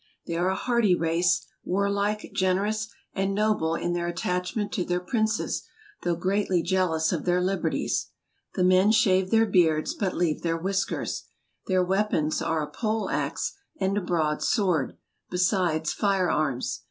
They are a hardy race; warlike, generous, and noble in their attachment to their princes, though greatly jea¬ lous of their liberties. The men shave their 6 62 HUNGARY. beards, but leave their whiskers. Their weapons are a pole axe, and a broad sword, besides fire¬ arms.